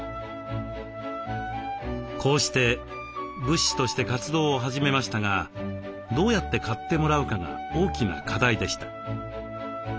こうして仏師として活動を始めましたがどうやって買ってもらうかが大きな課題でした。